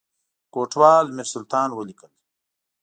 کوټوال میرسلطان ولیکل.